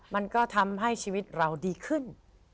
มันก็ทำให้ชีวิตเราดีขึ้น